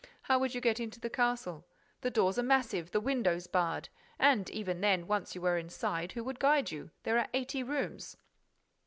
How would you get into the castle? The doors are massive, the windows barred. And, even then, once you were inside, who would guide you? There are eighty rooms."